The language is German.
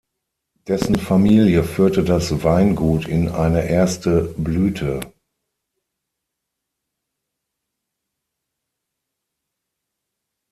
Dessen Familie führte das Weingut in eine erste Blüte.